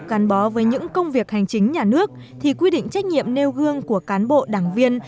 gắn bó với những công việc hành chính nhà nước thì quy định trách nhiệm nêu gương của cán bộ đảng viên